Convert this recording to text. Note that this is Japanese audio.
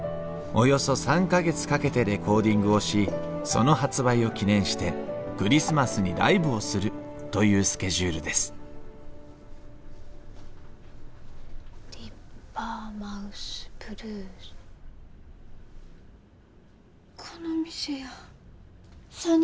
およそ３か月かけてレコーディングをしその発売を記念してクリスマスにライブをするというスケジュールです「ディッパーマウスブルース」。